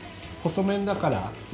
細麺だからね。